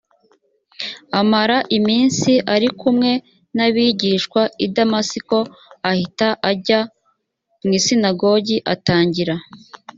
amara iminsi ari kumwe n abigishwa i damasiko ahita ajya mu isinagogi atangira